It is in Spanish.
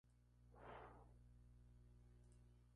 La película se desarrolla en Hamburgo.